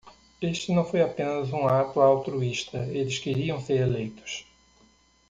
Este não foi apenas um ato altruísta, eles queriam ser eleitos.